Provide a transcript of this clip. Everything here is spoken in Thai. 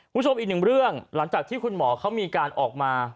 คุณผู้ชมอีกหนึ่งเรื่องหลังจากที่คุณหมอเขามีการออกมา